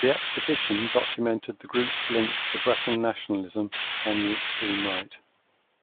The exhibition documented the group's links to Breton nationalism and the extreme-right.